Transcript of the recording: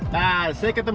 nah saya ketemu ke tempatnya